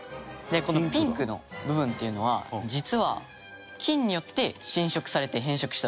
でこのピンクの部分っていうのは実は菌によって侵食されて変色した部分なんですよ。